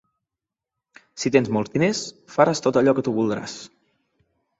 Si tens molts diners, faràs tot allò que tu voldràs.